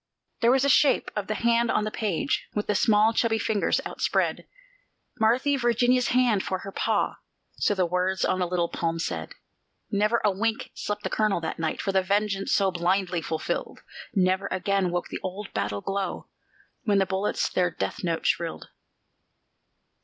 There was the shape of the hand on the page, with the small, chubby fingers outspread. "Marthy Virginia's hand, for her pa," so the words on the little palm said. Never a wink slept the colonel that night, for the vengeance so blindly fulfilled. Never again woke the old battle glow when the bullets their death note shrilled.